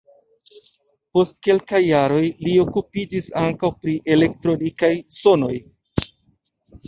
Post kelkaj jaroj li okupiĝis ankaŭ pri elektronikaj sonoj.